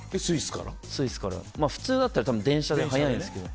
スイスから普通だったら電車で早いんですけど。